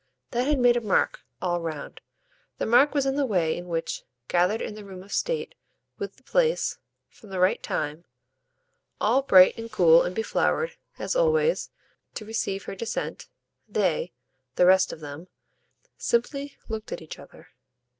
That had made a mark, all round; the mark was in the way in which, gathered in the room of state, with the place, from the right time, all bright and cool and beflowered, as always, to receive her descent, they the rest of them simply looked at each other.